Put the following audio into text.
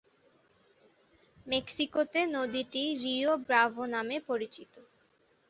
মেক্সিকোতে নদীটি Rio Bravo নামে পরিচিত।